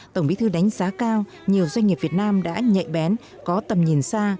tổng bí thư đánh giá cao nhiều doanh nghiệp việt nam đã nhạy bén có tầm nhìn xa